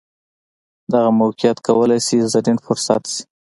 دغه موقیعت کولای شي زرین فرصت شي.